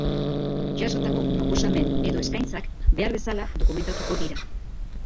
asotako proposamen edo eskaintzak behar bezala dokumentatuko dira.